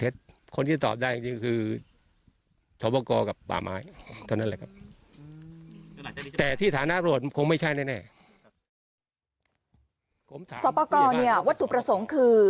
สอบกรวัตถุประสงค์คือ